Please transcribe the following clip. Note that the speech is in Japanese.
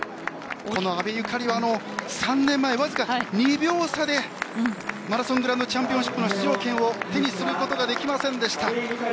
この阿部有香里は３年前、わずか２秒差でマラソングランドチャンピオンシップの出場権を手にすることができませんでした。